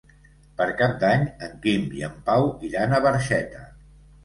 Per Cap d'Any en Quim i en Pau iran a Barxeta.